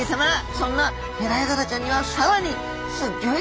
そんなヘラヤガラちゃんにはさらにすギョい